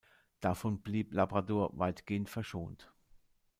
Davon blieb Labrador weitgehend verschont.